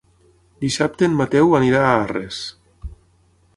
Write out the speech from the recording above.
Dissabte en Mateu anirà a Arres.